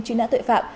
truy nã tuệ phạm